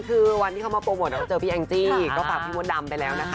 คือวันที่เขามาโปรโมทเราเจอพี่แองจี้ก็ฝากพี่มดดำไปแล้วนะคะ